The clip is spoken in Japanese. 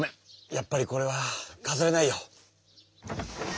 やっぱりこれはかざれないよ。